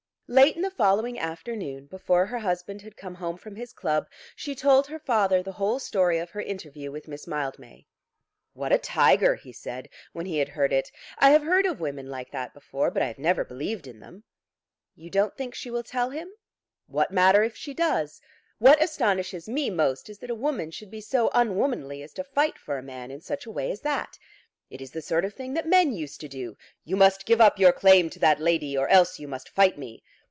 Late in the following afternoon, before her husband had come home from his club, she told her father the whole story of her interview with Miss Mildmay. "What a tiger," he said, when he had heard it. "I have heard of women like that before, but I have never believed in them." "You don't think she will tell him?" "What matter if she does? What astonishes me most is that a woman should be so unwomanly as to fight for a man in such a way as that. It is the sort of thing that men used to do. 'You must give up your claim to that lady, or else you must fight me.'